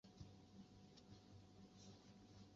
普林斯顿是一个位于美国伊利诺伊州比罗县的城市。